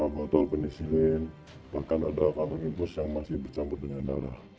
botol penisilin bahkan ada faktor infus yang masih bercampur dengan darah